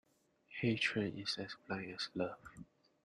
Hatred is as blind as love.